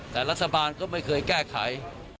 แต่รัฐบาลก็ไม่เคยแก้ไข